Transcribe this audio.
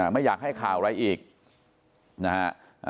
ไม่อยากให้ข่าวอะไรอีกนะฮะ